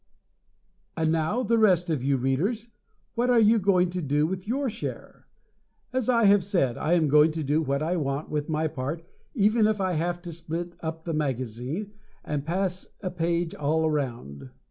And now, the rest of you Readers, what are you going to do with your share? As I have said, I am going to do what I want with my part even if we have to split up the magazine and pass a page all around.